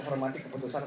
jadi kan pasti tidak